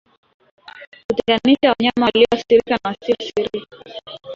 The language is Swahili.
Kutenganisha wanyama walioathirika na wasioathirika